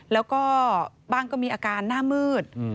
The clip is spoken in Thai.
แล้วก็บ้างก็มีอาการหน้ามืด